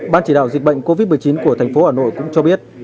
ban chỉ đạo dịch bệnh covid một mươi chín của thành phố hà nội cũng cho biết